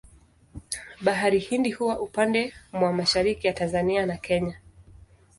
Bahari Hindi huwa upande mwa mashariki ya Tanzania na Kenya.